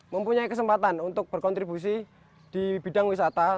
mempunyai kesempatan untuk berkontribusi di bidang wisata